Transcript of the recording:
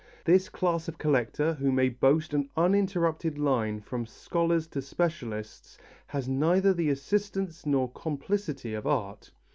This class of collector, who may boast an uninterrupted line from scholars to specialists, has neither the assistance nor complicity of art.